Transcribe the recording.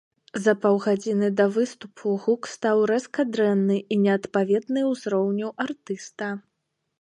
За паўгадзіны да выступу гук стаў рэзка дрэнны і неадпаведны ўзроўню артыста.